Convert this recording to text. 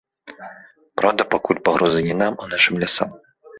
Праўда, пакуль пагроза не нам, а нашым лясам.